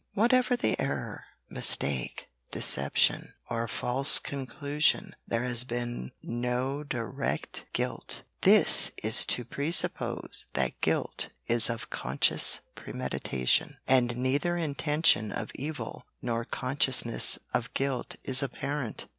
Whatever the error, mistake, deception, or false conclusion, there has been no direct guilt." This is to presuppose that guilt is of conscious premeditation; and neither intention of evil nor consciousness of guilt is apparent.